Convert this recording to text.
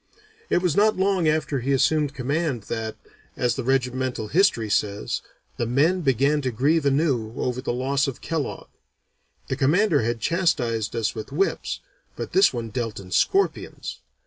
It was not long after he assumed command that, as the regimental history says, the men "began to grieve anew over the loss of Kellogg. That commander had chastised us with whips, but this one dealt in scorpions.